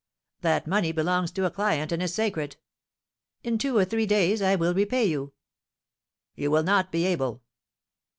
"That money belongs to a client and is sacred." "In two or three days I will repay you." "You will not be able."